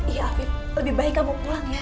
iya afib lebih baik kamu pulang ya